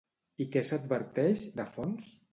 I què s'adverteix, de fons?